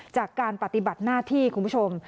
จากการปฏิบัติหน้าที่คุณผู้ชม